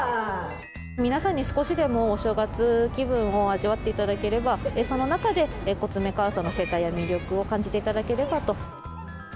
皆さんに少しでもお正月気分を味わっていただければ、その中で、コツメカワウソの生態や魅力を感じていただければと。